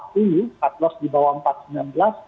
tartlos di bawah rp empat ratus sembilan belas